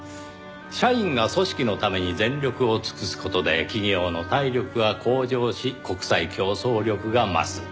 社員が組織のために全力を尽くす事で企業の体力が向上し国際競争力が増す。